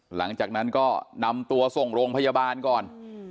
หลังจากนั้นก็นำตัวส่งโรงพยาบาลก่อน